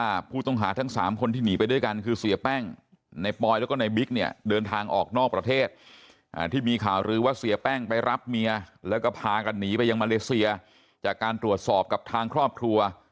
ว่าผู้ต้องหาเนี่ยเขาได้มากับอย่างฐานั้นนั้นหรือเปล่าอะไรยังไงกำลังตรวจสอบอยู่ครับ